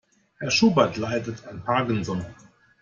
Herr Schubert leidet an Parkinson.